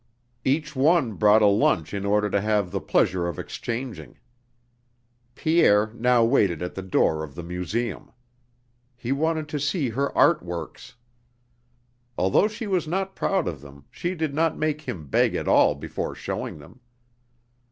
Each one brought a lunch in order to have the pleasure of exchanging. Pierre now waited at the door of the Museum. He wanted to see her art works. Although she was not proud of them she did not make him beg at all before showing them.